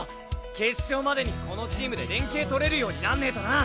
決勝までにこのチームで連携取れるようになんねえとな！